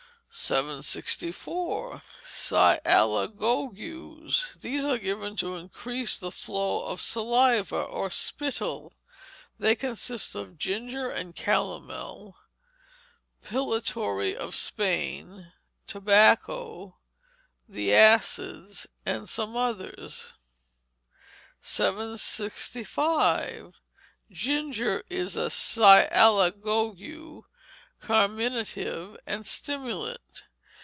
764. Sialogogues. These are given to increase the flow of saliva or spittle. They consist of ginger and calomel, pellitory of Spain, tobacco, the acids, and some others. 765. Ginger Ginger ia a sialogogue, carminative, and stimulant.